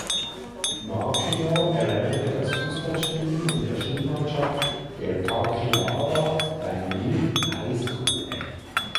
Makino erlernte das Fußballspielen in der Schulmannschaft der "Takigawa Daini High School".